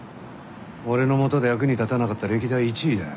俺の下で役に立たなかった歴代１位だよ。